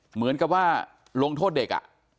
เหมือนกับว่าลงโทษเด็ก